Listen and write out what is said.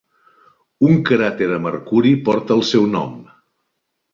Un cràter a Mercuri porta el seu nom.